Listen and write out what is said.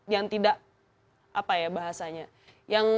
yang tidak apa ya bahasanya